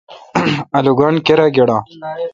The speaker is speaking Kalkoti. آلوگان کیرا گیڈا۔